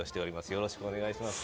よろしくお願いします。